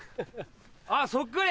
あぁそっくり！